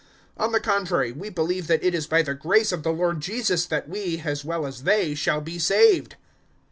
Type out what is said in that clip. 015:011 On the contrary, we believe that it is by the grace of the Lord Jesus that we, as well as they, shall be saved."